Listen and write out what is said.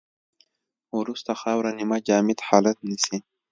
وروسته خاوره نیمه جامد حالت نیسي